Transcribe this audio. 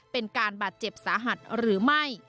เป็นการบาดเจ็บสาหัสหรือไม่